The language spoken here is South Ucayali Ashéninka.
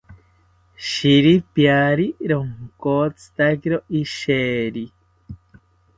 Shiripiari ronkotzitakiro isheri